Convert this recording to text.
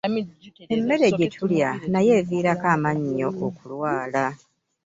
Emmere gyetulya nayo eviirako mannyo okulwala.